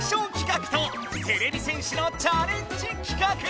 かくとてれび戦士のチャレンジきかく！